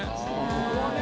ここはね。